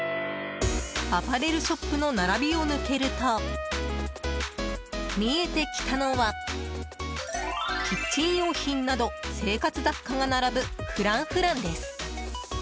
アパレルショップの並びを抜けると見えてきたのはキッチン用品など生活雑貨が並ぶフランフランです。